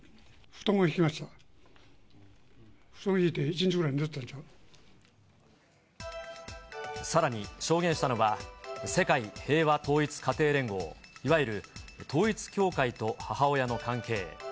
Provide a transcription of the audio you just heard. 布団敷いて、さらに、証言したのは、世界平和統一家庭連合、いわゆる統一教会と母親の関係。